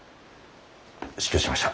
失敬しました。